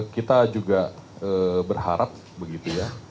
kita juga berharap begitu ya